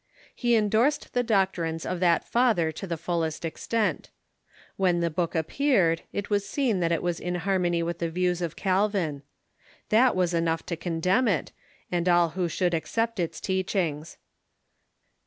He endorsed the doctrines of that father to the fullest extent. When the book appeared, it was seen that it was in harmony with the views of Calvin. That was enough to condemn it, and all who should accept its teachings.